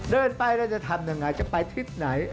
เดินไปเราจะทำยังไงจะไปทิศไหน